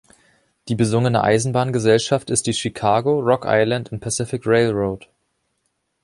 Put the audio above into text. Die besungene Eisenbahngesellschaft ist die Chicago, Rock Island and Pacific Railroad.